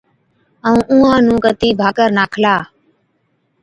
ائُون اُونهان نُون ڪتِي ڀاڪر ناکلا۔